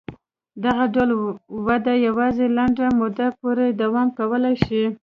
دغه ډول وده یوازې لنډې مودې پورې دوام کولای شي.